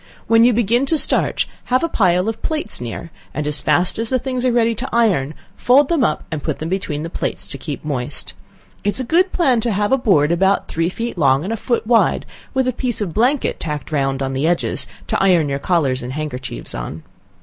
When you begin to starch, have a pile of plates near, and as fast as the things are ready to iron, fold them up, and put them between the plates to keep moist. It is a good plan to have a board about three feet long and a foot wide, with a piece of blanket tacked on round the edges, to iron your collars and handkerchiefs on.